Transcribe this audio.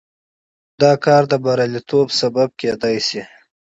دا کار د بریالیتوب لامل کېدای شي.